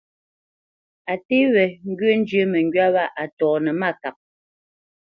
A nté wé ŋgyə̂ njyə́ məŋgywá wâ a tɔnə́ mâkap.